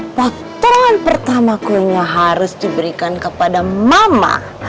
potongan pertama kuenya harus diberikan kepada mama